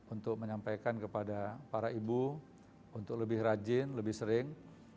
untuk menyampaikan kepada para ibu untuk lebih rajin lebih sering